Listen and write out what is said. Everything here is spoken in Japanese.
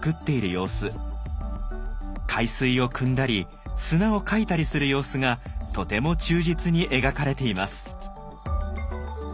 海水をくんだり砂をかいたりする様子がとても忠実に描かれています。